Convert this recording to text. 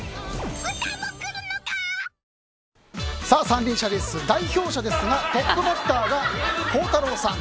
三輪車レース、代表者ですがトップバッターは孝太郎さん。